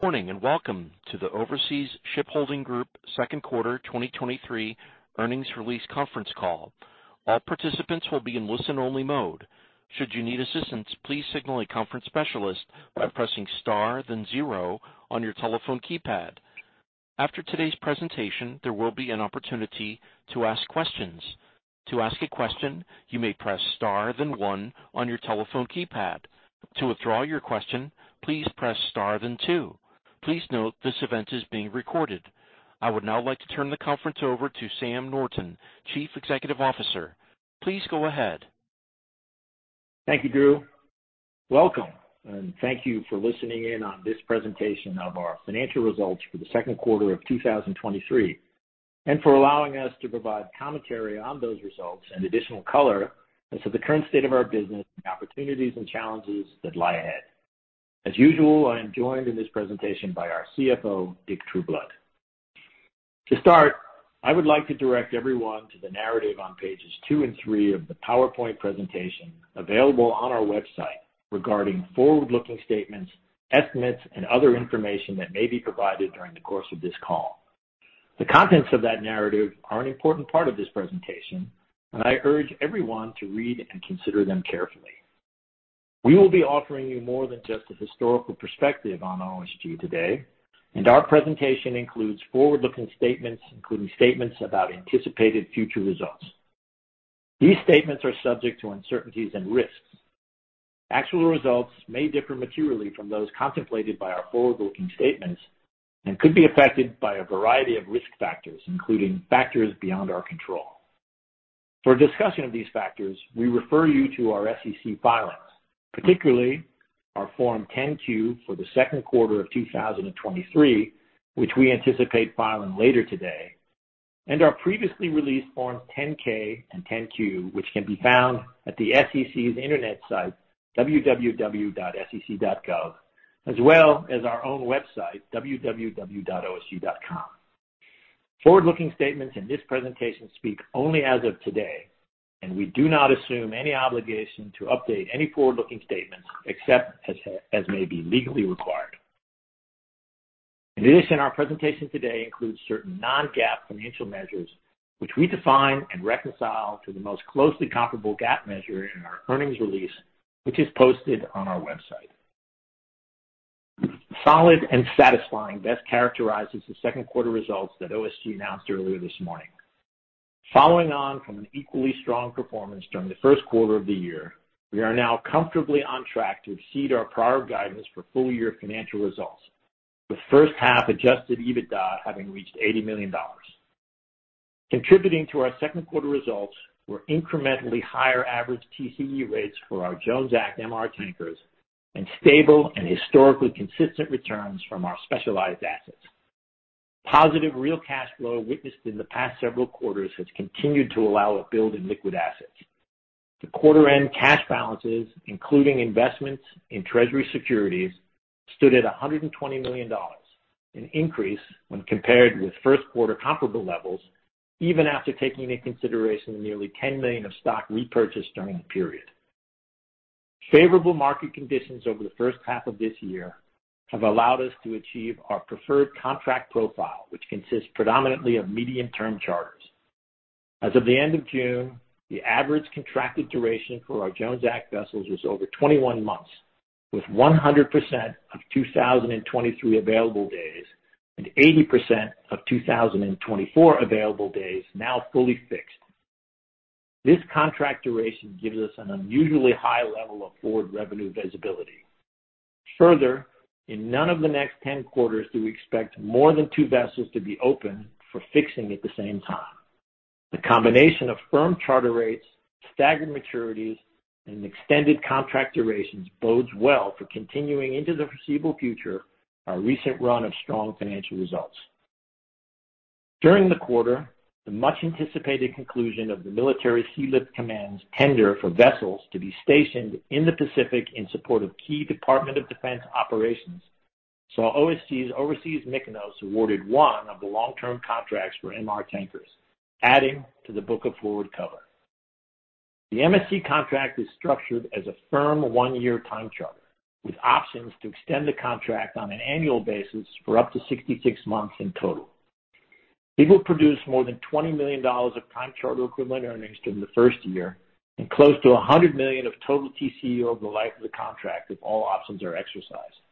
Good morning, and welcome to the Overseas Shipholding Group second quarter 2023 earnings release conference call. All participants will be in listen-only mode. Should you need assistance, please signal a conference specialist by pressing star, then zero on your telephone keypad. After today's presentation, there will be an opportunity to ask questions. To ask a question, you may press star, then one on your telephone keypad. To withdraw your question, please press star, then two. Please note, this event is being recorded. I would now like to turn the conference over to Sam Norton, Chief Executive Officer. Please go ahead. Thank you, Drew. Welcome, thank you for listening in on this presentation of our financial results for the second quarter of 2023, and for allowing us to provide commentary on those results and additional color as to the current state of our business and opportunities and challenges that lie ahead. As usual, I am joined in this presentation by our CFO, Dick Trueblood. To start, I would like to direct everyone to the narrative on pages two and three of the PowerPoint Presentation available on our website regarding forward-looking statements, estimates, and other information that may be provided during the course of this call. The contents of that narrative are an important part of this presentation. I urge everyone to read and consider them carefully. We will be offering you more than just a historical perspective on OSG today, and our presentation includes forward-looking statements, including statements about anticipated future results. These statements are subject to uncertainties and risks. Actual results may differ materially from those contemplated by our forward-looking statements and could be affected by a variety of risk factors, including factors beyond our control. For a discussion of these factors, we refer you to our SEC filings, particularly our Form 10-Q for the second quarter of 2023, which we anticipate filing later today, and our previously released Form 10-K and 10-Q, which can be found at the SEC's internet site, www.sec.gov, as well as our own website, www.osg.com. Forward-looking statements in this presentation speak only as of today, and we do not assume any obligation to update any forward-looking statements, except as may be legally required. In addition, our presentation today includes certain non-GAAP financial measures, which we define and reconcile to the most closely comparable GAAP measure in our earnings release, which is posted on our website. Solid and satisfying best characterizes the second quarter results that OSG announced earlier this morning. Following on from an equally strong performance during the first quarter of the year, we are now comfortably on track to exceed our prior guidance for full-year financial results, with first half Adjusted EBITDA having reached $80 million. Contributing to our second quarter results were incrementally higher average TCE rates for our Jones Act, MR tankers, and stable and historically consistent returns from our specialized assets. Positive real cash flow witnessed in the past several quarters has continued to allow a build in liquid assets. The quarter-end cash balances, including investments in treasury securities, stood at $120 million, an increase when compared with first quarter comparable levels, even after taking into consideration the nearly $10 million of stock repurchased during the period. Favorable market conditions over the first half of this year have allowed us to achieve our preferred contract profile, which consists predominantly of medium-term charters. As of the end of June, the average contracted duration for our Jones Act vessels was over 21 months, with 100% of 2023 available days and 80% of 2024 available days now fully fixed. In none of the next 10 quarters do we expect more than two vessels to be open for fixing at the same time. The combination of firm charter rates, staggered maturities, and extended contract durations bodes well for continuing into the foreseeable future our recent run of strong financial results. During the quarter, the much-anticipated conclusion of the Military Sealift Command's tender for vessels to be stationed in the Pacific in support of key Department of Defense operations, saw OSG's Overseas Mykonos awarded one of the long-term contracts for MR tankers, adding to the book of forward cover. The MSC contract is structured as a firm one-year time charter, with options to extend the contract on an annual basis for up to 66 months in total. It will produce more than $20 million of time charter equivalent earnings during the first year and close to $100 million of total TCE over the life of the contract if all options are exercised.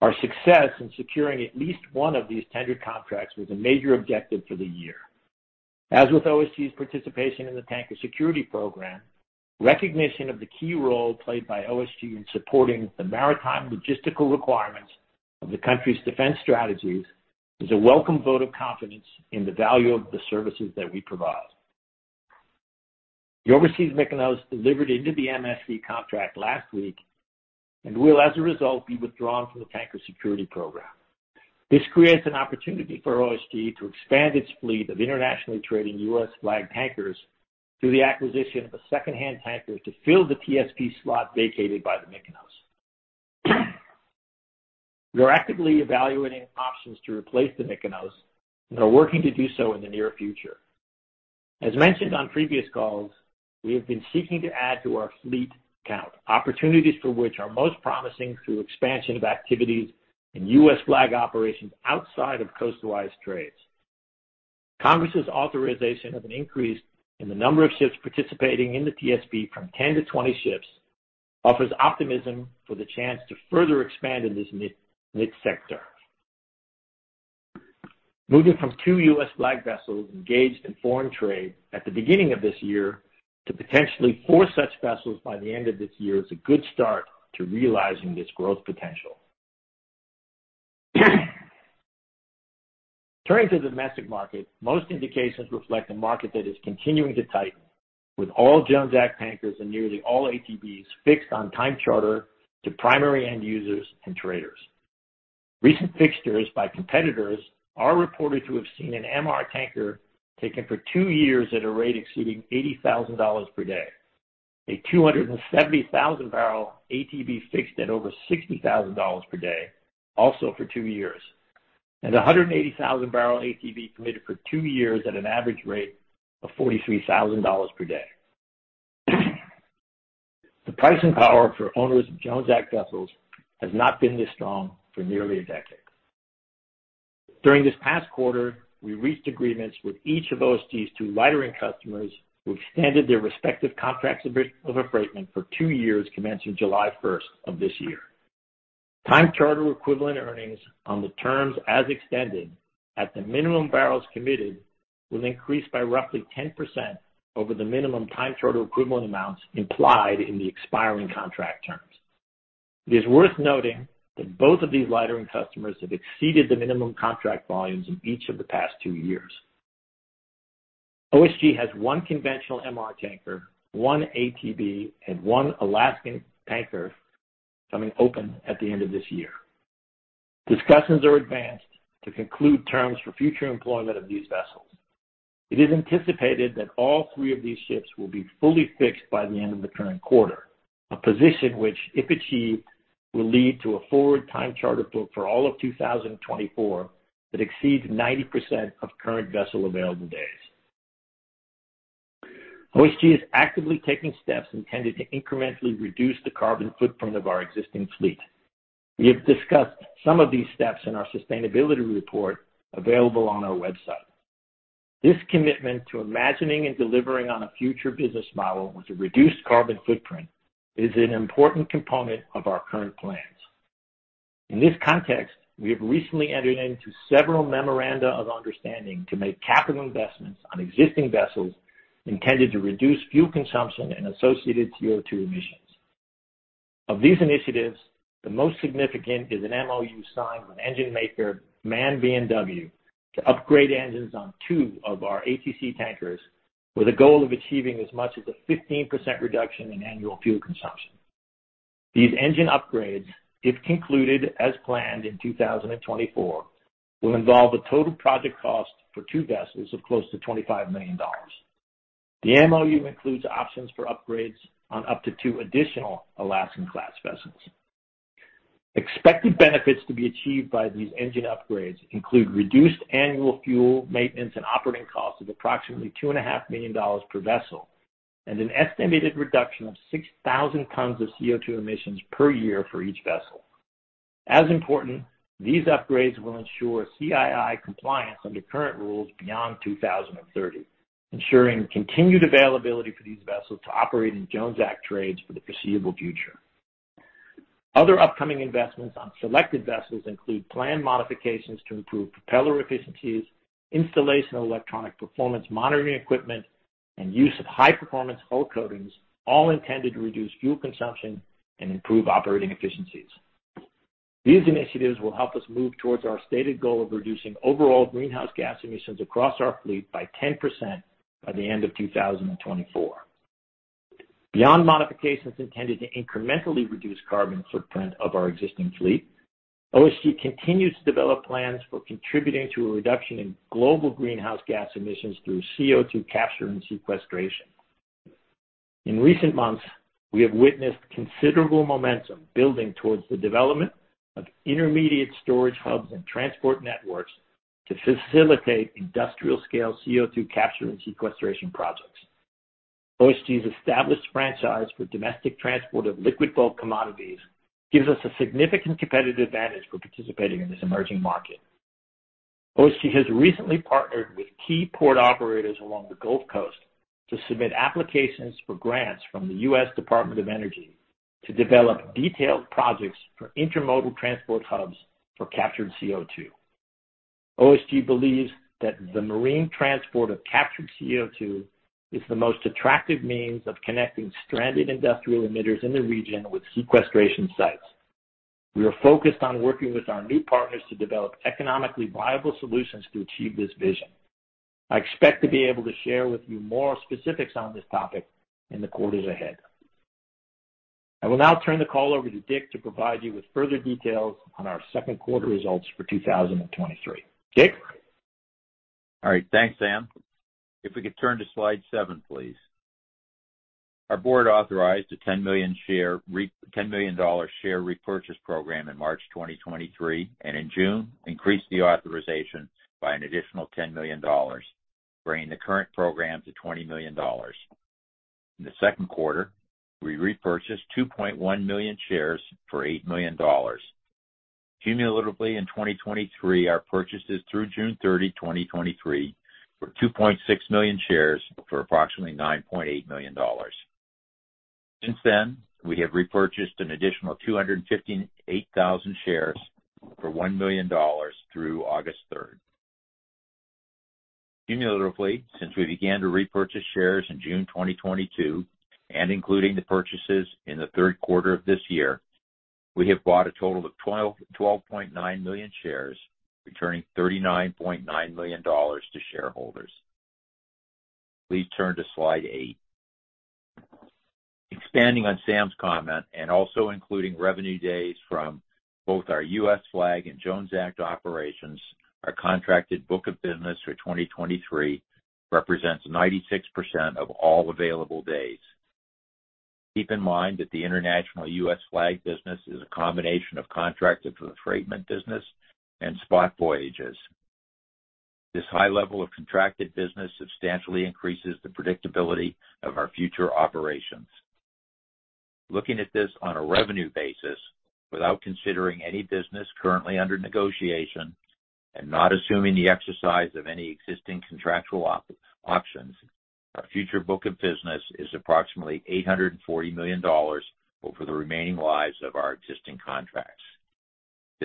Our success in securing at least one of these tendered contracts was a major objective for the year. As with OSG's participation in the Tanker Security Program, recognition of the key role played by OSG in supporting the maritime logistical requirements of the country's defense strategies is a welcome vote of confidence in the value of the services that we provide. The Overseas Mykonos delivered into the MSC contract last week and will, as a result, be withdrawn from the Tanker Security Program. This creates an opportunity for OSG to expand its fleet of internationally trading US flagged tankers through the acquisition of a secondhand tanker to fill the TSP slot vacated by the Mykonos. We are actively evaluating options to replace the Mykonos and are working to do so in the near future. As mentioned on previous calls, we have been seeking to add to our fleet count, opportunities for which are most promising through expansion of activities in US Flag operations outside of coastalwise trades. Congress's authorization of an increase in the number of ships participating in the TSP from 10 to 20 ships offers optimism for the chance to further expand in this niche sector. Moving from two US Flag Vessels engaged in foreign trade at the beginning of this year, to potentially four such vessels by the end of this year, is a good start to realizing this growth potential. Turning to the domestic market, most indications reflect a market that is continuing to tighten, with all Jones Act tankers and nearly all ATBs fixed on time charter to primary end users and traders. Recent fixtures by competitors are reported to have seen an MR tanker taken for two years at a rate exceeding $80,000 per day, a 270,000 barrel ATB fixed at over $60,000 per day, also for two years, and a 180,000 barrel ATB committed for two years at an average rate of $43,000 per day. The pricing power for owners of Jones Act Vessels has not been this strong for nearly a decade. During this past quarter, we reached agreements with each of OSG's two lightering customers, who extended their respective contracts of affreightment for two years, commencing July first of this year. Time charter equivalent earnings on the terms as extended at the minimum barrels committed, will increase by roughly 10% over the minimum time charter equivalent amounts implied in the expiring contract terms. It is worth noting that both of these lightering customers have exceeded the minimum contract volumes in each of the past two years. OSG has one conventional MR tanker, one ATB, and one Alaskan tanker coming open at the end of this year. Discussions are advanced to conclude terms for future employment of these vessels. It is anticipated that all three of these ships will be fully fixed by the end of the current quarter, a position which, if achieved, will lead to a forward time charter book for all of 2024, that exceeds 90% of current vessel available days. OSG is actively taking steps intended to incrementally reduce the carbon footprint of our existing fleet. We have discussed some of these steps in our sustainability report, available on our website. This commitment to imagining and delivering on a future business model with a reduced carbon footprint is an important component of our current plans. In this context, we have recently entered into several memoranda of understanding to make capital investments on existing vessels, intended to reduce fuel consumption and associated CO2 emissions. Of these initiatives, the most significant is an MOU signed with engine maker MAN B&W, to upgrade engines on two of our ATC tankers, with a goal of achieving as much as a 15% reduction in annual fuel consumption. These engine upgrades, if concluded as planned in 2024, will involve a total project cost for two vessels of close to $25 million. The MOU includes options for upgrades on up to two additional Alaskan Class Vessels. Expected benefits to be achieved by these engine upgrades include reduced annual fuel, maintenance, and operating costs of approximately $2.5 million per vessel, and an estimated reduction of 6,000 tons of CO2 emissions per year for each vessel. As important, these upgrades will ensure CII compliance under current rules beyond 2030, ensuring continued availability for these vessels to operate in Jones Act trades for the foreseeable future. Other upcoming investments on selected vessels include planned modifications to improve propeller efficiencies, installation of electronic performance monitoring equipment, and use of high-performance hull coatings, all intended to reduce fuel consumption and improve operating efficiencies. These initiatives will help us move towards our stated goal of reducing overall greenhouse gas emissions across our fleet by 10% by the end of 2024. Beyond modifications intended to incrementally reduce carbon footprint of our existing fleet, OSG continues to develop plans for contributing to a reduction in global greenhouse gas emissions through CO2 capture and sequestration. In recent months, we have witnessed considerable momentum building towards the development of intermediate storage hubs and transport networks to facilitate industrial-scale CO2 capture and sequestration projects. OSG's established franchise for domestic transport of liquid bulk commodities gives us a significant competitive advantage for participating in this emerging market. OSG has recently partnered with key port operators along the Gulf Coast, to submit applications for grants from the US Department of Energy, to develop detailed projects for intermodal transport hubs for captured CO2. OSG believes that the marine transport of captured CO2 is the most attractive means of connecting stranded industrial emitters in the region with sequestration sites. We are focused on working with our new partners to develop economically viable solutions to achieve this vision. I expect to be able to share with you more specifics on this topic in the quarters ahead. I will now turn the call over to Dick to provide you with further details on our second quarter results for 2023. Dick? All right, thanks, Sam. If we could turn to slide seven, please. Our board authorized a $10 million share repurchase program in March 2023. In June, increased the authorization by an additional $10 million, bringing the current program to $20 million. In the second quarter, we repurchased 2.1 million shares for $8 million. Cumulatively, in 2023, our purchases through June 30, 2023, were 2.6 million shares for approximately $9.8 million. Since then, we have repurchased an additional 258,000 shares for $1 million through August 3. Cumulatively, since we began to repurchase shares in June 2022, and including the purchases in the third quarter, we have bought a total of 12.9 million shares, returning $39.9 million to shareholders. Please turn to slide 8. Also including revenue days from both our US Flag and Jones Act Operations, our contracted book of business for 2023 represents 96% of all available days. Keep in mind that the international US Flag Business is a combination of contracted freightment business and spot voyages. This high level of contracted business substantially increases the predictability of our future operations. Looking at this on a revenue basis, without considering any business currently under negotiation and not assuming the exercise of any existing contractual options, our future book of business is approximately $840 million over the remaining lives of our existing contracts.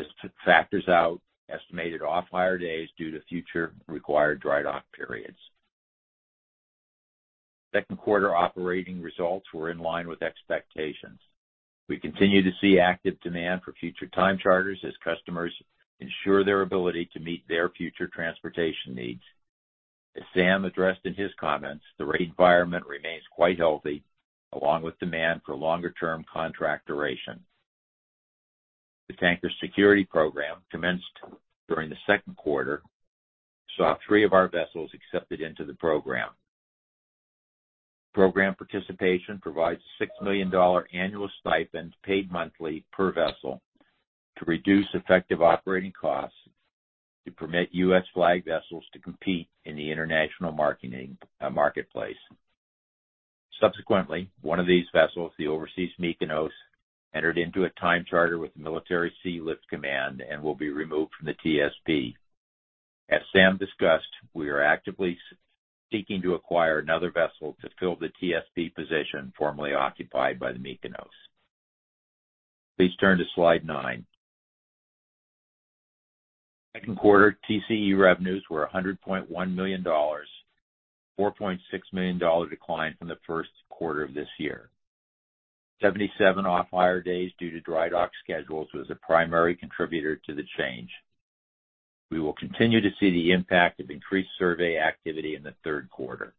This factors out estimated off-hire days due to future required dry dock periods. Second quarter operating results were in line with expectations. We continue to see active demand for future time charters as customers ensure their ability to meet their future transportation needs. As Sam addressed in his comments, the rate environment remains quite healthy, along with demand for longer-term contract duration. The Tanker Security Program commenced during the second quarter, saw three of our vessels accepted into the program. Program participation provides a $6 million annual stipend, paid monthly per vessel, to reduce effective operating costs to permit US Flag Vessels to compete in the international marketing marketplace. Subsequently, one of these vessels, the Overseas Mykonos, entered into a time charter with the Military Sealift Command and will be removed from the TSP. As Sam discussed, we are actively seeking to acquire another vessel to fill the TSP position formerly occupied by the Mykonos. Please turn to slide nine. Second quarter TCE revenues were $100.1 million, a $4.6 million decline from the first quarter of this year. 77 off-hire days due to dry dock schedules was a primary contributor to the change. We will continue to see the impact of increased survey activity in the third quarter.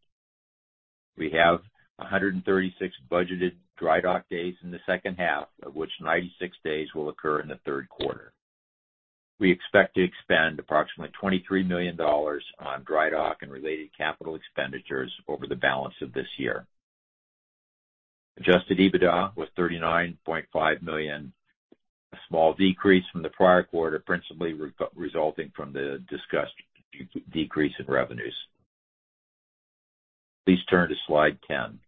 We have 136 budgeted dry dock days in the second half, of which 96 days will occur in the third quarter. We expect to spend approximately $23 million on dry dock and related capital expenditures over the balance of this year. Adjusted EBITDA was $39.5 million, a small decrease from the prior quarter, principally resulting from the discussed decrease in revenues. Please turn to slide 10.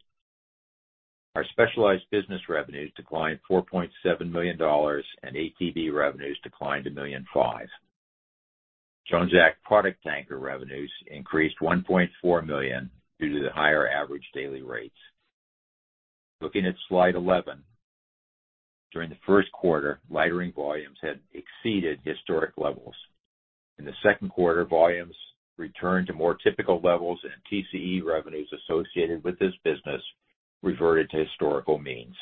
Our specialized business revenues declined $4.7 million, and ATB revenues declined $1.5 million. Jones Act Product Tanker revenues increased $1.4 million due to the higher average daily rates. Looking at slide 11, during the first quarter, lightering volumes had exceeded historic levels. In the second quarter, volumes returned to more typical levels, and TCE revenues associated with this business reverted to historical means.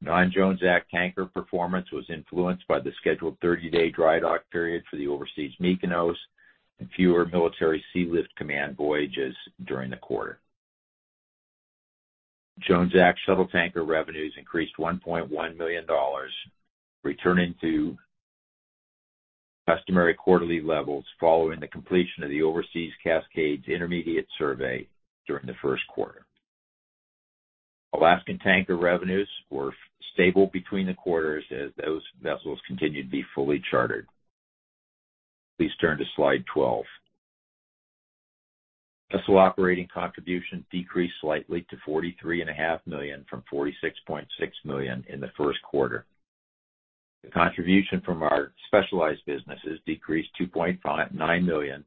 Non-Jones Act Tanker performance was influenced by the scheduled 30-day dry dock period for the Overseas Mykonos and fewer Military Sealift Command voyages during the quarter. Jones Act shuttle tanker revenues increased $1.1 million, returning to customary quarterly levels following the completion of the Overseas Cascade intermediate survey during the first quarter. Alaskan tanker revenues were stable between the quarters as those vessels continued to be fully chartered. Please turn to slide 12. Vessel operating contribution decreased slightly to $43.5 million from $46.6 million in the first quarter. The contribution from our specialized businesses decreased $2.59 million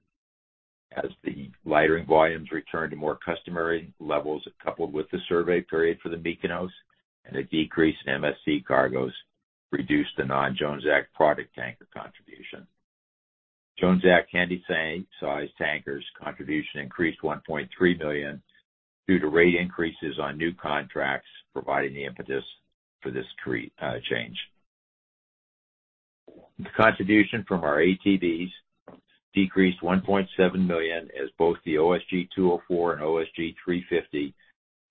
as the lightering volumes returned to more customary levels, coupled with the survey period for the Mykonos and a decrease in MSC cargoes reduced the non-Jones Act Product Tanker contribution. Jones Act Handysize Tankers contribution increased $1.3 million due to rate increases on new contracts, providing the impetus for this change. The contribution from our ATBs decreased $1.7 million, as both the OSG 204 and OSG 350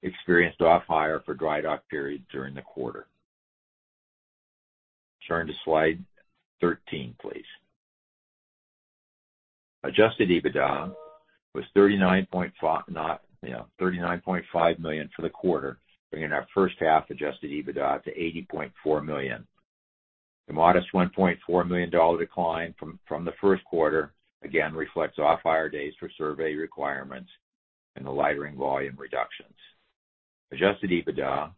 experienced off-hire for dry dock periods during the quarter. Turn to slide 13, please. Adjusted EBITDA was $39.5 million for the quarter, bringing our first half Adjusted EBITDA to $80.4 million. The modest $1.4 million decline from the first quarter, again, reflects off-hire days for survey requirements and the lightering volume reductions. Adjusted EBITDA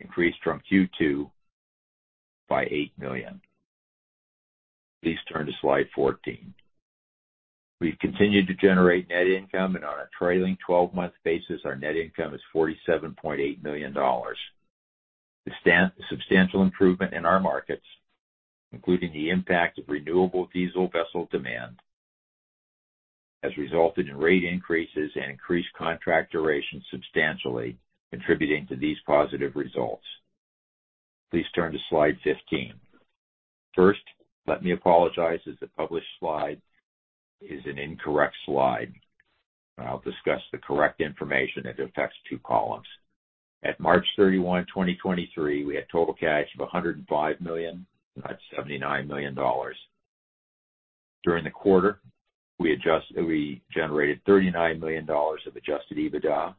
increased from Q2 by $8 million. Please turn to slide 14. We've continued to generate net income, and on a trailing 12-month basis, our net income is $47.8 million. The substantial improvement in our markets, including the impact of renewable diesel vessel demand, has resulted in rate increases and increased contract duration, substantially contributing to these positive results. Please turn to slide 15. First, let me apologize, as the published slide is an incorrect slide. I'll discuss the correct information that affects two columns. At March 31, 2023, we had total cash of $105 million, not $79 million. During the quarter, we generated $39 million of Adjusted EBITDA,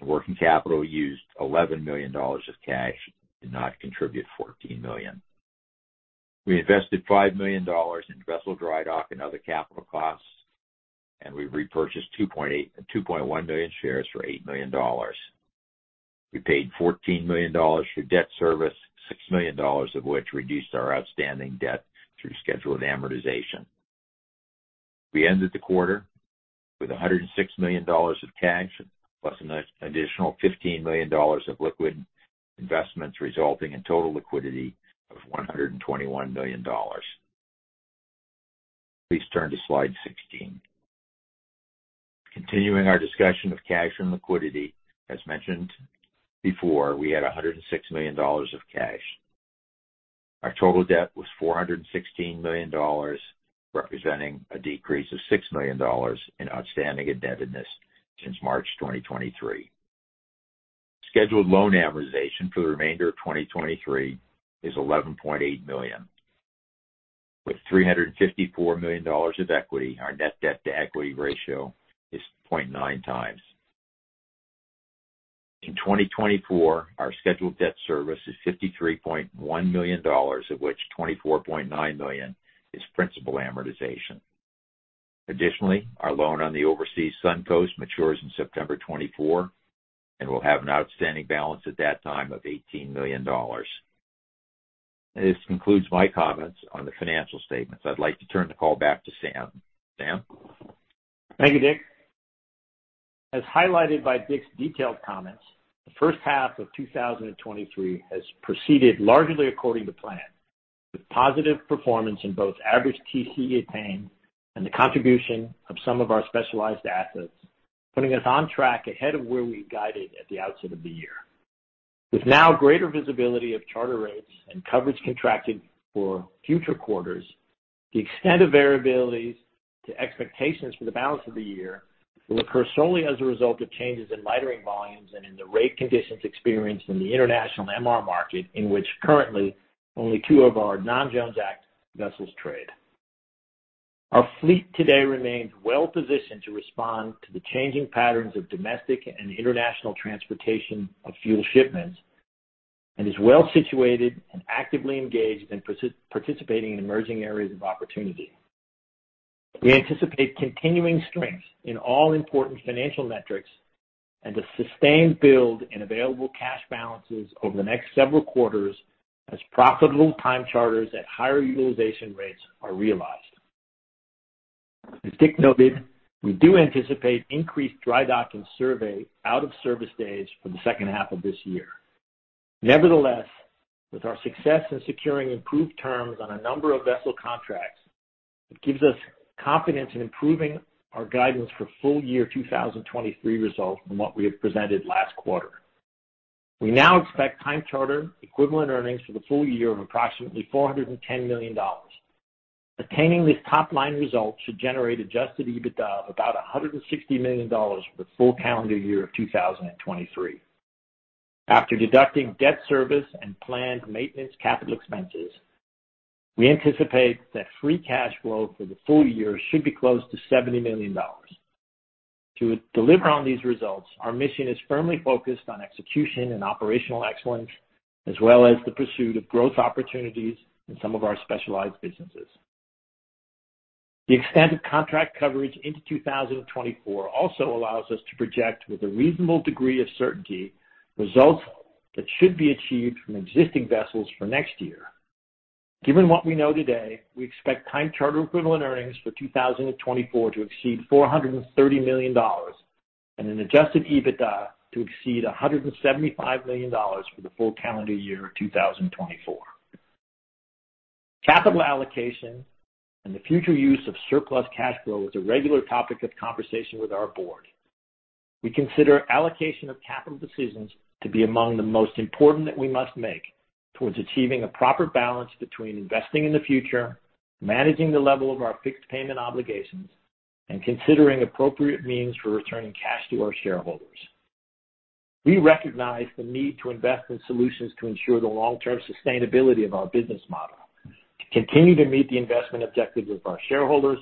and working capital used $11 million of cash, did not contribute $14 million. We invested $5 million in vessel dry dock and other capital costs, and we repurchased 2.1 million shares for $8 million. We paid $14 million for debt service, $6 million of which reduced our outstanding debt through scheduled amortization. We ended the quarter with $106 million of cash, plus an additional $15 million of liquid investments, resulting in total liquidity of $121 million. Please turn to slide 16. Continuing our discussion of cash and liquidity, as mentioned before, we had $106 million of cash. Our total debt was $416 million, representing a decrease of $6 million in outstanding indebtedness since March 2023. Scheduled loan amortization for the remainder of 2023 is $11.8 million. With $354 million of equity, our net debt-to-equity ratio is 0.9 times. In 2024, our scheduled debt service is $53.1 million, of which $24.9 million is principal amortization. Additionally, our loan on the Overseas Sun Coast matures in September 2024, and we'll have an outstanding balance at that time of $18 million. This concludes my comments on the financial statements. I'd like to turn the call back to Sam. Sam? Thank you, Dick. As highlighted by Dick's detailed comments, the first half of 2023 has proceeded largely according to plan, with positive performance in both average TCE paying and the contribution of some of our specialized assets, putting us on track ahead of where we guided at the outset of the year. With now greater visibility of charter rates and coverage contracted for future quarters, the extent of variabilities to expectations for the balance of the year will occur solely as a result of changes in lightering volumes and in the rate conditions experienced in the international MR market, in which currently only two of our non-Jones Act vessels trade. Our fleet today remains well positioned to respond to the changing patterns of domestic and international transportation of fuel shipments, and is well situated and actively engaged in participating in emerging areas of opportunity. We anticipate continuing strength in all important financial metrics and a sustained build in available cash balances over the next several quarters, as profitable time charters at higher utilization rates are realized. As Dick noted, we do anticipate increased dry dock survey out of service days for the second half of this year. Nevertheless, with our success in securing improved terms on a number of vessel contracts, it gives us confidence in improving our guidance for full year 2023 results from what we have presented last quarter. We now expect time charter equivalent earnings for the full year of approximately $410 million. Attaining these top-line results should generate Adjusted EBITDA of about $160 million for the full calendar year of 2023. After deducting debt service and planned maintenance capital expenses, we anticipate that free cash flow for the full year should be close to $70 million. To deliver on these results, our mission is firmly focused on execution and operational excellence, as well as the pursuit of growth opportunities in some of our specialized businesses. The extent of contract coverage into 2024 also allows us to project, with a reasonable degree of certainty, results that should be achieved from existing vessels for next year. Given what we know today, we expect time charter equivalent earnings for 2024 to exceed $430 million, and an Adjusted EBITDA to exceed $175 million for the full calendar year of 2024. Capital allocation and the future use of surplus cash flow is a regular topic of conversation with our board. We consider allocation of capital decisions to be among the most important that we must make towards achieving a proper balance between investing in the future, managing the level of our fixed payment obligations, and considering appropriate means for returning cash to our shareholders. We recognize the need to invest in solutions to ensure the long-term sustainability of our business model, to continue to meet the investment objectives of our shareholders,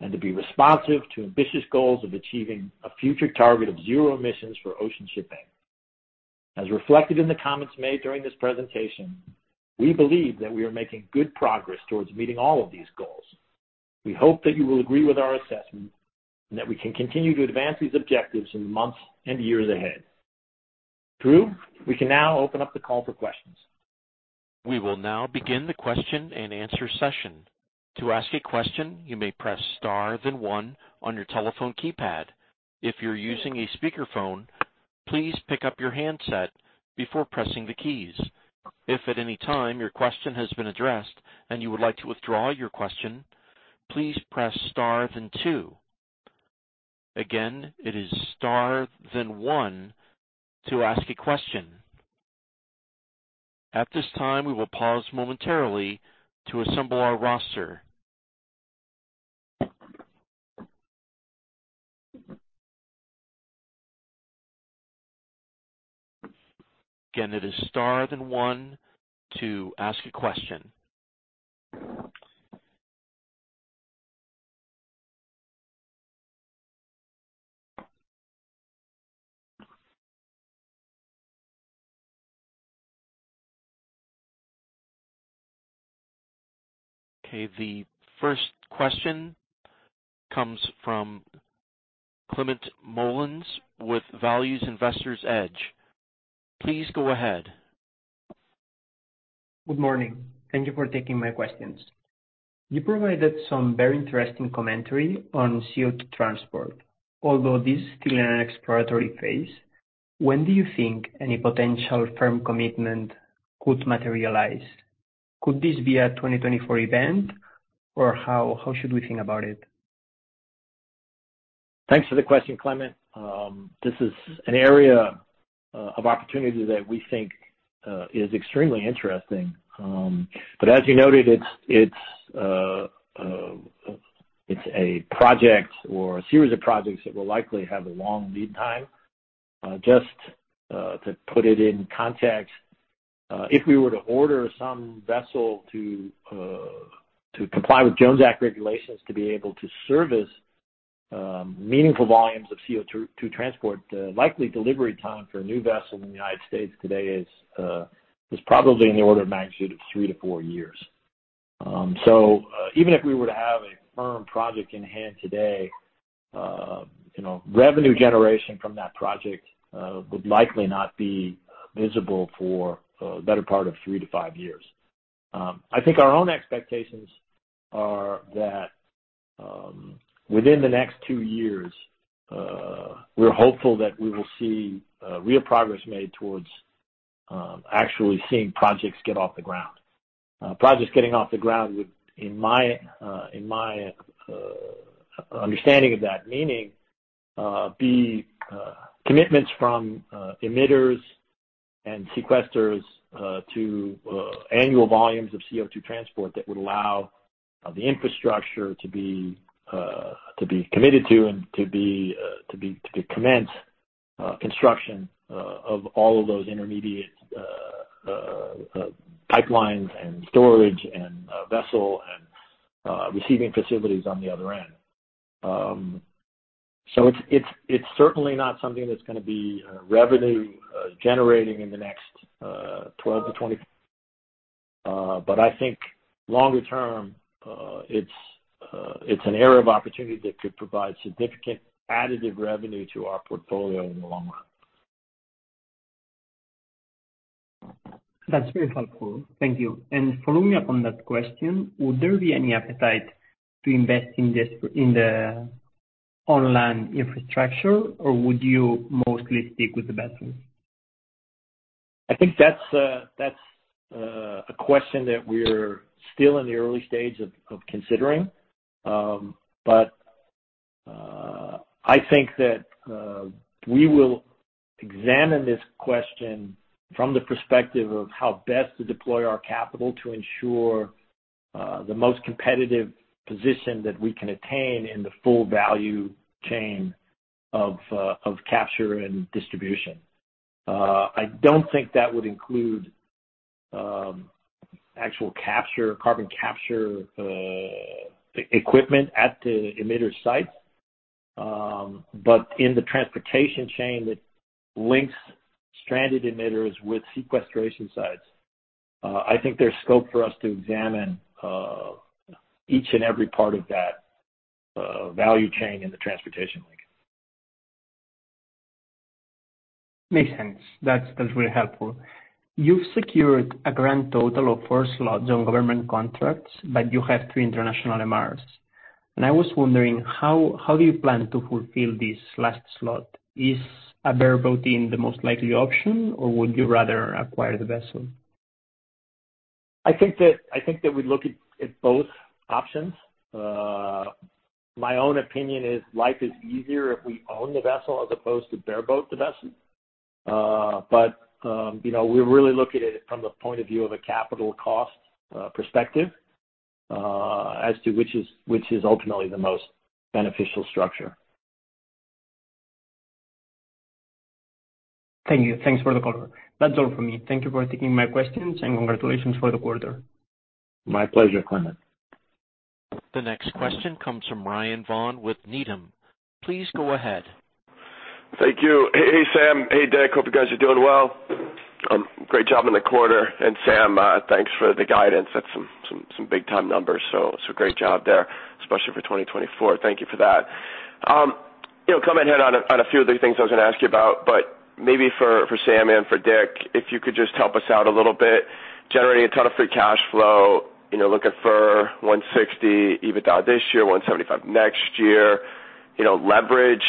and to be responsive to ambitious goals of achieving a future target of zero emissions for ocean shipping. As reflected in the comments made during this presentation, we believe that we are making good progress towards meeting all of these goals. We hope that you will agree with our assessment, and that we can continue to advance these objectives in the months and years ahead. Drew, we can now open up the call for questions. We will now begin the question-and-answer session. To ask a question, you may press star then one on your telephone keypad. If you're using a speakerphone, please pick up your handset before pressing the keys. If at any time your question has been addressed and you would like to withdraw your question, please press star then two. Again, it is star then one to ask a question. At this time, we will pause momentarily to assemble our roster. Again, it is star then one to ask a question. Okay, the first question comes from Climent Molins with Value Investor's Edge. Please go ahead. Good morning. Thank you for taking my questions. You provided some very interesting commentary on CO2 transport. Although this is still in an exploratory phase, when do you think any potential firm commitment could materialize? Could this be a 2024 event, or how, how should we think about it? Thanks for the question, Clement. This is an area of opportunity that we think is extremely interesting. As you noted, it's, it's, it's a project or a series of projects that will likely have a long lead time. Just to put it in context, if we were to order some vessel to comply with Jones Act regulations to be able to service meaningful volumes of CO2 to transport, the likely delivery time for a new vessel in the United States today is probably in the order of magnitude of three-four years. Even if we were to have a firm project in hand today, you know, revenue generation from that project would likely not be visible for the better part of three-five years. I think our own expectations are that, within the next two years, we're hopeful that we will see real progress made towards actually seeing projects get off the ground. Projects getting off the ground would, in my understanding of that, meaning, the commitments from emitters and sequesters, to annual volumes of CO2 transport that would allow the infrastructure to be to be committed to and to be to commence construction of all of those intermediate pipelines and storage and vessel and receiving facilities on the other end. It's certainly not something that's going to be revenue generating in the next 12-20. I think longer term, it's, it's an area of opportunity that could provide significant additive revenue to our portfolio in the long run. That's very helpful. Thank you. Following up on that question, would there be any appetite to invest in this, in the online infrastructure, or would you mostly stick with the vessel? I think that's, that's, a question that we're still in the early stage of, of considering. I think that, we will examine this question from the perspective of how best to deploy our capital to ensure, the most competitive position that we can attain in the full value chain of, of capture and distribution. I don't think that would include, actual capture, carbon capture, equipment at the emitter site. In the transportation chain, that links stranded emitters with sequestration sites, I think there's scope for us to examine, each and every part of that, value chain in the transportation link. Makes sense. That's, that's really helpful. You've secured a grand total of 4 slots on government contracts, but you have three international MRs. I was wondering, how, how do you plan to fulfill this last slot? Is a bareboat being the most likely option, or would you rather acquire the vessel? I think that, I think that we'd look at, at both options. My own opinion is life is easier if we own the vessel as opposed to bareboat the vessel. But, you know, we really look at it from the point of view of a capital cost, perspective.... as to which is, which is ultimately the most beneficial structure. Thank you. Thanks for the color. That's all for me. Thank you for taking my questions. Congratulations for the quarter. My pleasure, Clement. The next question comes from Ryan Vaughan with Needham. Please go ahead. Thank you. Hey, hey, Sam. Hey, Dick. Hope you guys are doing well. Great job on the quarter. Sam, thanks for the guidance. That's some, some, some big time numbers, so it's a great job there, especially for 2024. Thank you for that. You know, Climent hit on a, on a few of the things I was gonna ask you about, but maybe for, for Sam and for Dick, if you could just help us out a little bit, generating a ton of free cash flow, you know, looking for $160 million EBITDA this year, $175 million next year. You know, leverage,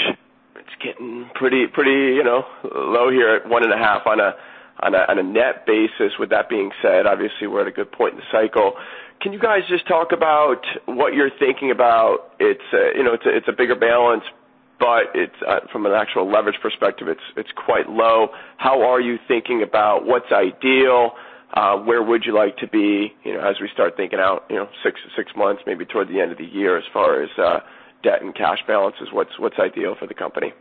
it's getting pretty, pretty, you know, low here at 1.5 on a, on a, on a net basis. With that being said, obviously we're at a good point in the cycle. Can you guys just talk about what you're thinking about? It's a, you know, it's a, it's a bigger balance, but it's from an actual leverage perspective, it's quite low. How are you thinking about what's ideal? Where would you like to be, you know, as we start thinking out, you know, six months, maybe toward the end of the year, as far as debt and cash balances, what's ideal for the company?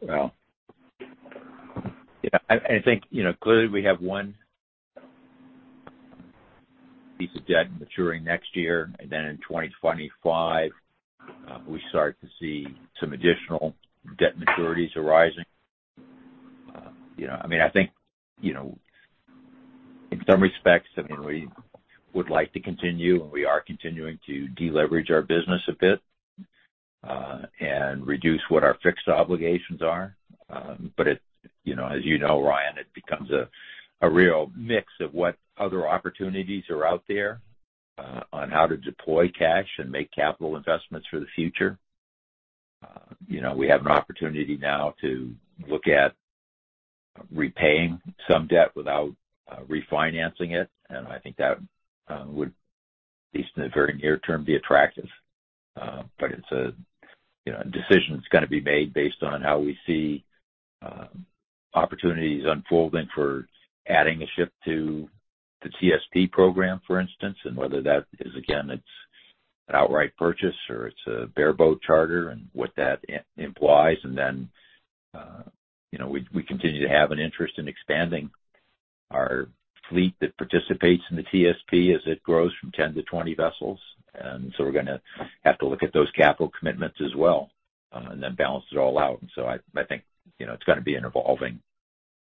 Well, yeah, I, I think, you know, clearly we have one piece of debt maturing next year, and then in 2025, we start to see some additional debt maturities arising. You know, I mean, I think, you know, in some respects, I mean, we would like to continue, and we are continuing to deleverage our business a bit, and reduce what our fixed obligations are. You know, as you know, Ryan, it becomes a, a real mix of what other opportunities are out there, on how to deploy cash and make capital investments for the future. You know, we have an opportunity now to look at repaying some debt without, refinancing it, and I think that, would, at least in the very near term, be attractive. It's a, you know, a decision that's gonna be made based on how we see opportunities unfolding for adding a ship to the TSP program, for instance. Whether that is, again, it's an outright purchase or it's a bareboat charter, and what that implies. You know, we, we continue to have an interest in expanding our fleet that participates in the TSP as it grows from 10 to 20 vessels. We're gonna have to look at those capital commitments as well, and then balance it all out. I, I think, you know, it's gonna be an evolving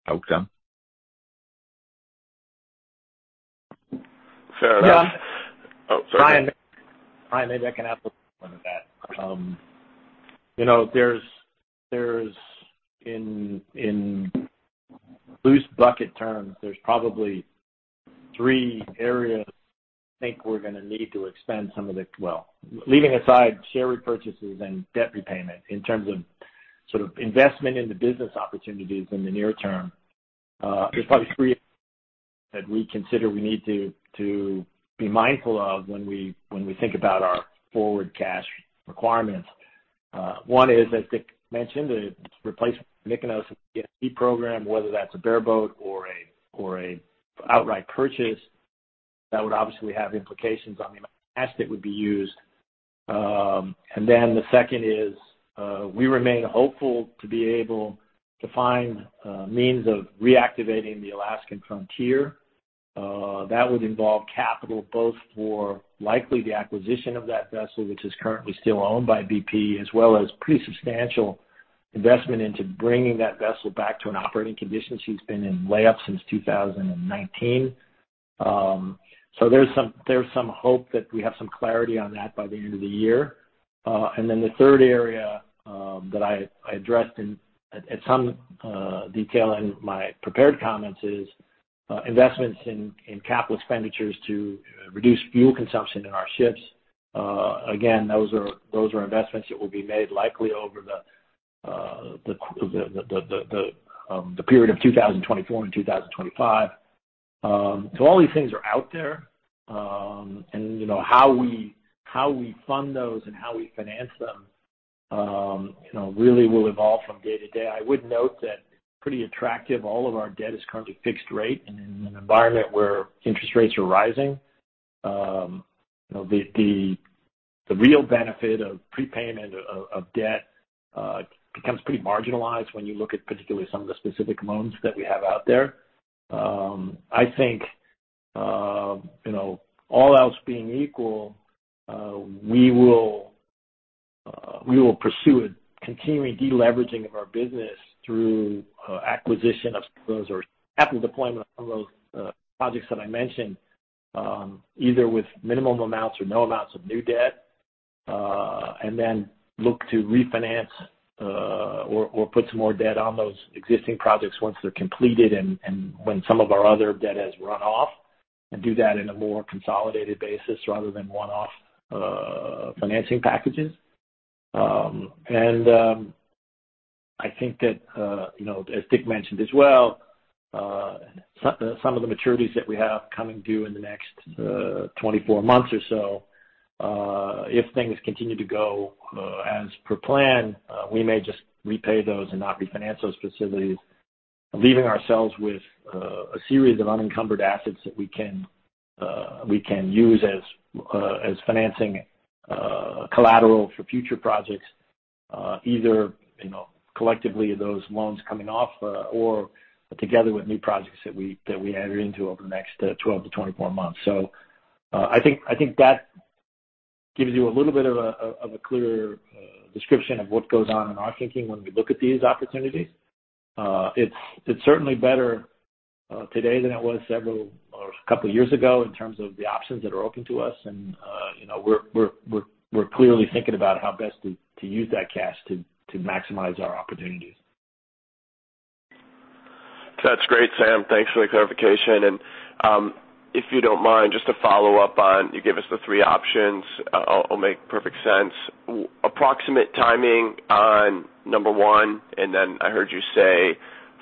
outcome. So, uh- Yeah. Oh, sorry. Ryan, Ryan, maybe I can add to some of that. You know, there's, there's, in, in loose bucket terms, there's probably three areas I think we're gonna need to expend some of the. Well, leaving aside share repurchases and debt repayment, in terms of sort of investment in the business opportunities in the near term, there's probably three that we consider we need to be mindful of when we think about our forward cash requirements. One is, as Dick mentioned, the replacement Mykonos TSP program, whether that's a bareboat or a, or a outright purchase, that would obviously have implications on the amount of cash that would be used. Then the second is, we remain hopeful to be able to find means of reactivating the Alaskan Frontier. That would involve capital, both for likely the acquisition of that vessel, which is currently still owned by BP, as well as pretty substantial investment into bringing that vessel back to an operating condition. She's been in lay up since 2019. There's some, there's some hope that we have some clarity on that by the end of the year. Then the third area that I, I addressed in, at, at some detail in my prepared comments is investments in capital expenditures to reduce fuel consumption in our ships. Again, those are, those are investments that will be made likely over the period of 2024 and 2025. All these things are out there. And you know, how we, how we fund those and how we finance them, you know, really will evolve from day to day. I would note that pretty attractive, all of our debt is currently fixed rate, and in an environment where interest rates are rising, you know, the, the, the real benefit of prepayment of debt becomes pretty marginalized when you look at particularly some of the specific loans that we have out there. I think, you know, all else being equal, we will, we will pursue a continuing deleveraging of our business through acquisition of those or capital deployment of some of those projects that I mentioned, either with minimum amounts or no amounts of new debt. Then look to refinance, or, or put some more debt on those existing projects once they're completed and, and when some of our other debt has run off, and do that in a more consolidated basis rather than one-off financing packages. I think that, you know, as Dick mentioned as well, some, some of the maturities that we have coming due in the next 24 months or so, if things continue to go as per plan, we may just repay those and not refinance those facilities, leaving ourselves with a series of unencumbered assets that we can use as financing collateral for future projects. Either, you know, collectively, those loans coming off, or together with new projects that we, that we enter into over the next 12-24 months. I think, I think that gives you a little bit of a, of, of a clearer description of what goes on in our thinking when we look at these opportunities. It's, it's certainly better today than it was several or a couple years ago in terms of the options that are open to us, and, you know, we're, we're, we're, we're clearly thinking about how best to, to use that cash to, to maximize our opportunities. That's great, Sam. Thanks for the clarification. If you don't mind, just to follow up on, you gave us the three options, all, all make perfect sense. Approximate timing on number one, and then I heard you say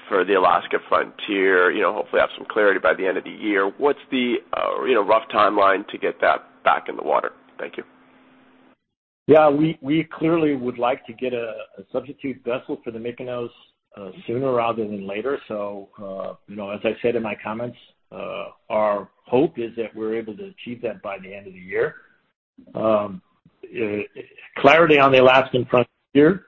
for the Alaskan Frontier, you know, hopefully have some clarity by the end of the year. What's the, you know, rough timeline to get that back in the water? Thank you. Yeah, we, we clearly would like to get a, a substitute vessel for the Mykonos, sooner rather than later. You know, as I said in my comments, our hope is that we're able to achieve that by the end of the year. Clarity on the Alaskan Frontier,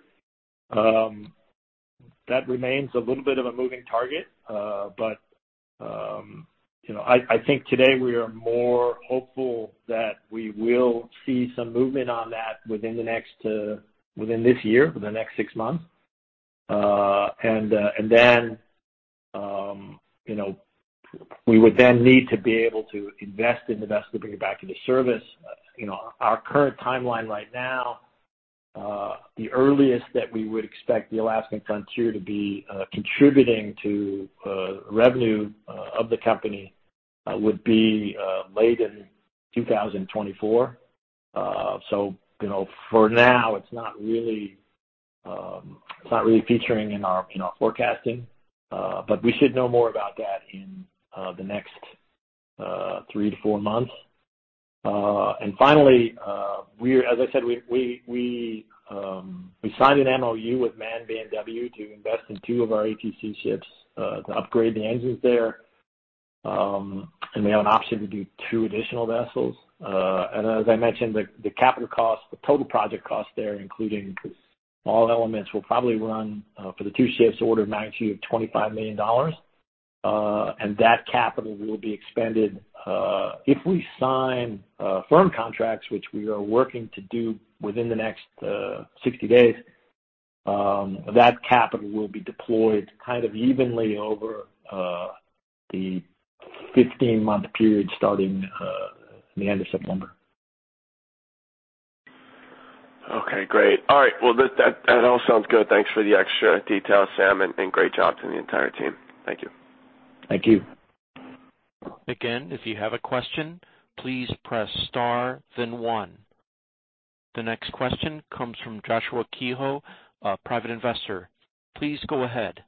that remains a little bit of a moving target, but, you know, I, I think today we are more hopeful that we will see some movement on that within the next, within this year, within the next six months. Then, you know, we would then need to be able to invest in the vessel to bring it back into service. You know, our current timeline right now, the earliest that we would expect the Alaskan Frontier to be contributing to revenue of the company would be late in 2024. You know, for now, it's not really, it's not really featuring in our, in our forecasting, but we should know more about that in the next three-four months. Finally, As I said, we, we signed an MOU with MAN B&W to invest in two of our ATC ships to upgrade the engines there, and we have an option to do two additional vessels. As I mentioned, the capital costs, the total project costs there, including all elements, will probably run for the two ships, order of magnitude of $25 million. That capital will be expended if we sign firm contracts, which we are working to do within the next 60 days. That capital will be deployed kind of evenly over the 15-month period starting the end of September. Okay, great. All right, well, that, that, that all sounds good. Thanks for the extra detail, Sam, and, and great job to the entire team. Thank you. Thank you. Again, if you have a question, please press star, then 1. The next question comes from Joshua Kehoe, a private investor. Please go ahead.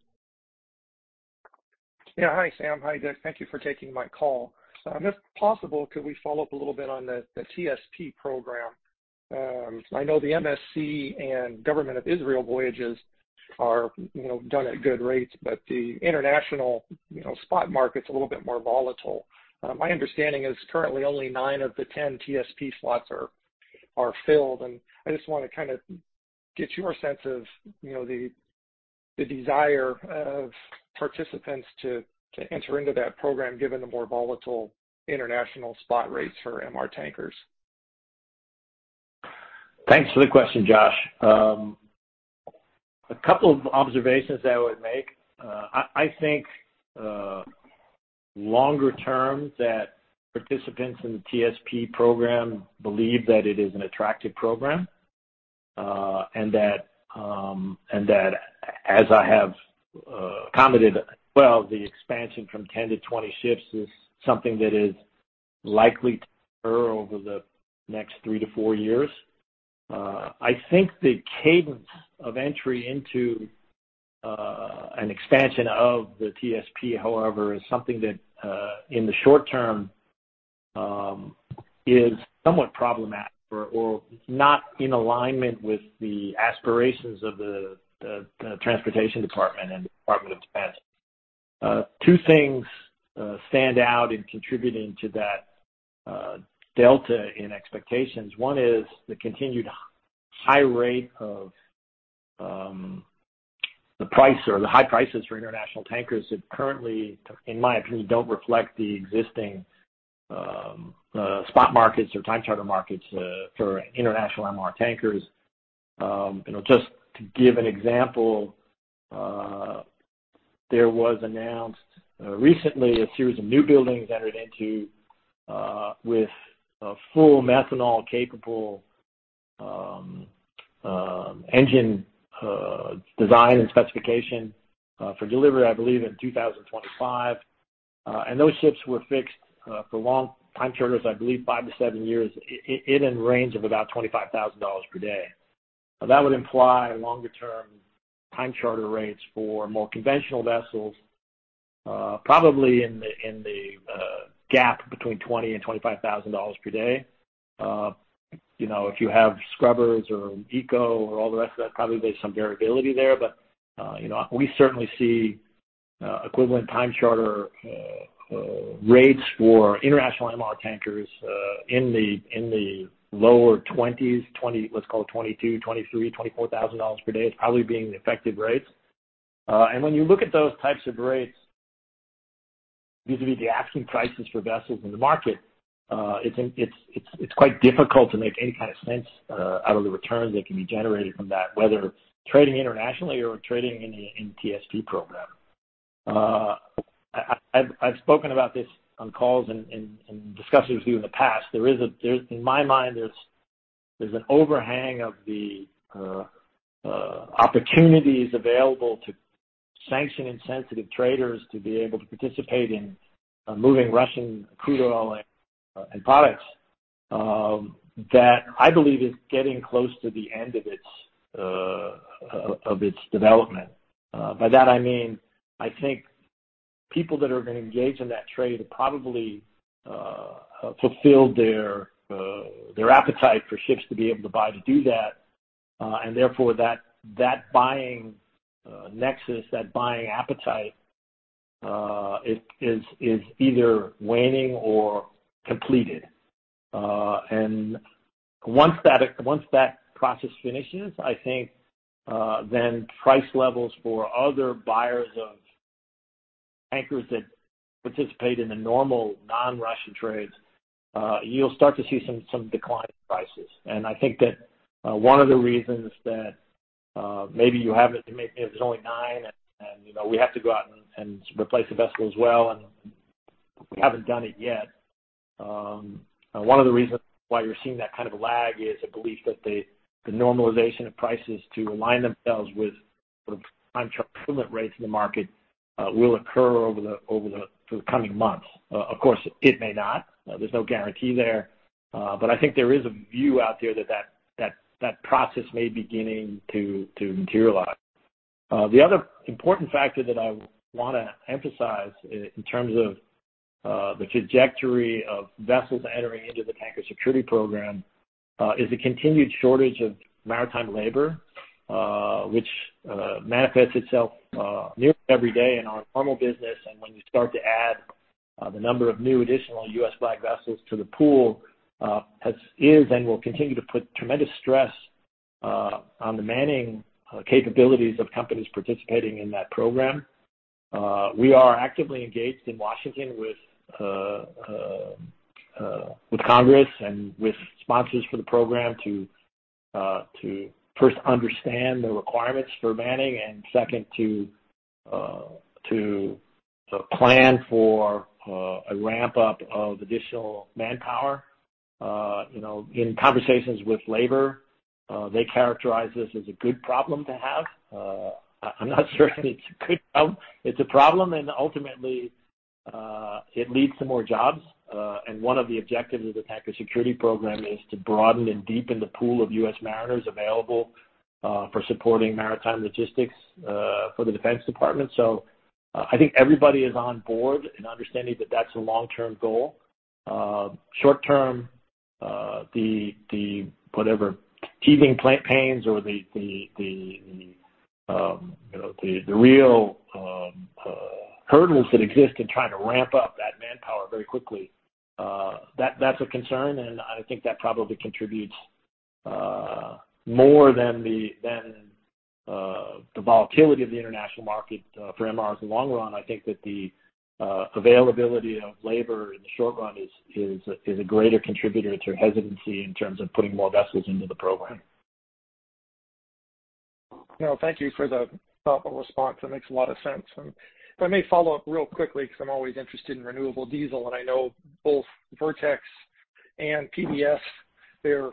Yeah. Hi, Sam. Hi, Dick. Thank you for taking my call. If possible, could we follow up a little bit on the, the TSP program? I know the MSC and Government of Israel voyages are, you know, done at good rates, but the international, you know, spot market's a little bit more volatile. My understanding is currently only nine of the 10 TSP slots are, are filled, and I just want to kind of get your sense of, you know, the, the desire of participants to, to enter into that program, given the more volatile international spot rates for MR tankers. Thanks for the question, Josh. A couple of observations I would make. I, I think, longer term, that participants in the TSP program believe that it is an attractive program, and that, and that as I have commented, well, the expansion from 10 to 20 ships is something that is likely to occur over the next three-four years. I think the cadence of entry into an expansion of the TSP, however, is something that in the short term is somewhat problematic or not in alignment with the aspirations of the Transportation Department and the Department of Defense. Two things stand out in contributing to that delta in expectations. One is the continued high rate of, the price or the high prices for international tankers that currently, in my opinion, don't reflect the existing spot markets or time charter markets for international MR tankers. You know, just to give an example, there was announced recently a series of newbuildings entered into with a full methanol-capable engine design and specification for delivery, I believe, in 2025. Those ships were fixed for long time charters, I believe five-seven years, in a range of about $25,000 per day. That would imply longer-term time charter rates for more conventional vessels. Probably in the gap between $20,000-$25,000 per day. You know, if you have scrubbers or eco or all the rest of that, probably there's some variability there. You know, we certainly see equivalent time charter rates for international MR tankers in the lower 20s. Let's call it $22,000-$24,000 per day as probably being the effective rates. When you look at those types of rates, these would be the asking prices for vessels in the market. It's, it's, it's quite difficult to make any kind of sense out of the returns that can be generated from that, whether trading internationally or trading in the TSP program. I, I've, I've spoken about this on calls and, and, and discussions with you in the past. There's, in my mind, there's, there's an overhang of the opportunities available to sanction-insensitive traders to be able to participate in moving Russian crude oil and products, that I believe is getting close to the end of its development. By that I mean, I think people that are going to engage in that trade have probably fulfilled their their appetite for ships to be able to buy, to do that. Therefore, that, that buying nexus, that buying appetite, it is either waning or completed. Once that, once that process finishes, I think, then price levels for other buyers of anchors that participate in the normal non-Russian trades, you'll start to see some, some decline in prices. I think that, one of the reasons that, maybe you haven't, maybe there's only nine, and, you know, we have to go out and, and replace the vessel as well, and we haven't done it yet. One of the reasons why you're seeing that kind of lag is a belief that the, the normalization of prices to align themselves with sort of time charter equivalent rates in the market, will occur over the coming months. Of course, it may not. There's no guarantee there, but I think there is a view out there that, that, that, that process may be beginning to, to materialize. The other important factor that I want to emphasize i- in terms of the trajectory of vessels entering into the Tanker Security Program is the continued shortage of maritime labor, which manifests itself nearly every day in our normal business. When you start to add the number of new additional US Flag Vessels to the pool, has, is and will continue to put tremendous stress on the manning capabilities of companies participating in that program. We are actively engaged in Washington with Congress and with sponsors for the program to first understand the requirements for manning and second, to plan for a ramp-up of additional manpower. You know, in conversations with labor, they characterize this as a good problem to have. I'm not sure it's a good problem. It's a problem and ultimately, it leads to more jobs. One of the objectives of the Tanker Security Program is to broaden and deepen the pool of US Mariners available for supporting maritime logistics for the Defense Department. I think everybody is on board in understanding that that's a long-term goal. Short term, whatever teething pains or the real hurdles that exist in trying to ramp up that manpower very quickly, that's a concern, and I think that probably contributes more than the volatility of the international market for MR in the long run. I think that the availability of labor in the short run is, is, is a greater contributor to hesitancy in terms of putting more vessels into the program. Well, thank you for the thoughtful response. That makes a lot of sense. If I may follow up real quickly, because I'm always interested in renewable diesel, and I know both Vertex Energy and PBF, their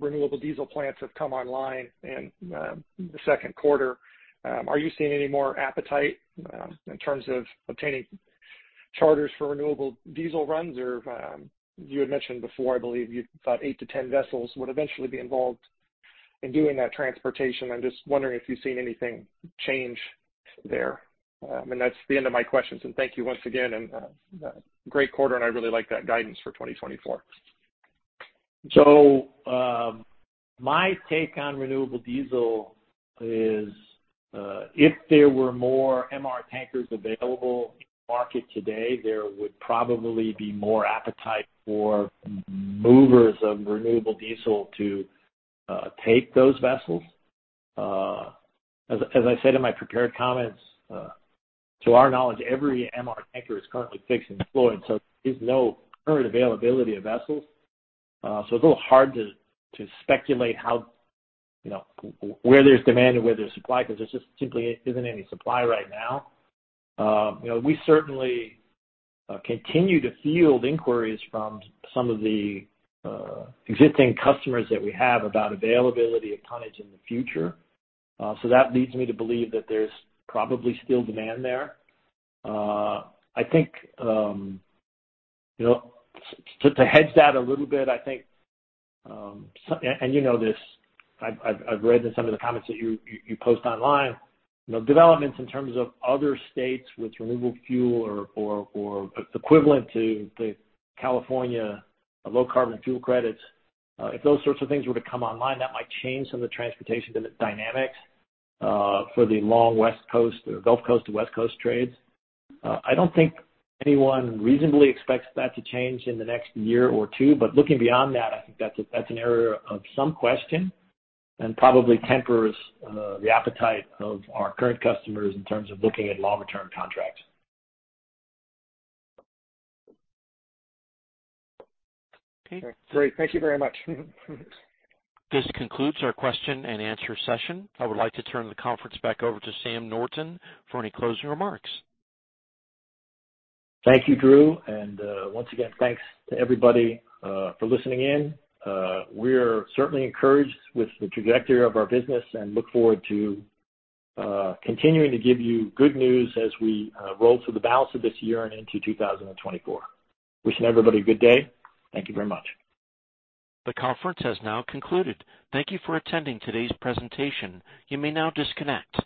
renewable diesel plants have come online in the second quarter. Are you seeing any more appetite in terms of obtaining charters for renewable diesel runs? Or, you had mentioned before, I believe you thought eight-10 vessels would eventually be involved in doing that transportation. I'm just wondering if you've seen anything change there. That's the end of my questions. Thank you once again, and great quarter, and I really like that guidance for 2024. My take on renewable diesel is, if there were more MR tankers available in the market today, there would probably be more appetite for movers of renewable diesel to take those vessels. As, as I said in my prepared comments, to our knowledge, every MR tanker is currently fixed and deployed, so there is no current availability of vessels. So it's a little hard to, to speculate how... you know, where there's demand and where there's supply, because there just simply isn't any supply right now. You know, we certainly continue to field inquiries from some of the existing customers that we have about availability of tonnage in the future. That leads me to believe that there's probably still demand there. I think, you know, to, to hedge that a little bit, I think, so... You know this, I've, I've, I've read in some of the comments that you, you, you post online. You know, developments in terms of other states with renewable fuel or, or, or equivalent to the California Low Carbon Fuel credits, if those sorts of things were to come online, that might change some of the transportation dynamics for the long West Coast, Gulf Coast to West Coast trades. I don't think anyone reasonably expects that to change in the next year or two, but looking beyond that, I think that's a, that's an area of some question and probably tempers the appetite of our current customers in terms of looking at longer-term contracts. Okay, great. Thank you very much. This concludes our question and answer session. I would like to turn the conference back over to Sam Norton for any closing remarks. Thank you, Drew, and once again, thanks to everybody for listening in. We're certainly encouraged with the trajectory of our business and look forward to continuing to give you good news as we roll through the balance of this year and into 2024. Wishing everybody a good day. Thank you very much. The conference has now concluded. Thank you for attending today's presentation. You may now disconnect.